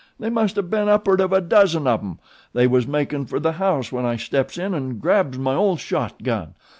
They must o' ben upward of a dozen on 'em. They waz makin' fer the house when I steps in an' grabs my ol' shot gun.